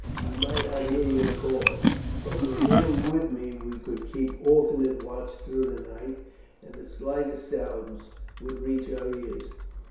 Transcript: I might not hear your call; but with him with me we could keep alternate watch through the night, and the slightest sounds would reach our ears.